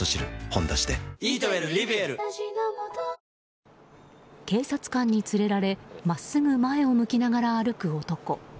「ほんだし」で警察官に連れられ真っすぐ前を向きながら歩く男。